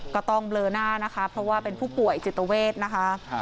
ก็ต้องเบลอหน้านะคะเพราะว่าเป็นผู้ป่วยจิตเวทนะคะ